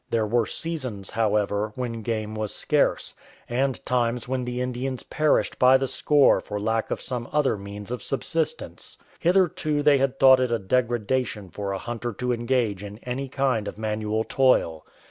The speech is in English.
There were seasons, however, when game was scarce, and times when the Indians perished by the score for lack of some other means of subsistence. Hitherto they had thought it a degradation for a hunter to engage in any kind of manual toil.